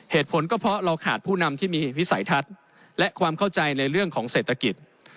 เหตุผลก็เพราะเราขาดผู้นำที่มีวิสัยทัศน์และความเข้าใจในเรื่องของเศรษฐกิจ